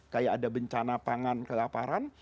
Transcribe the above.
kayak ada bencana pangan kelaparan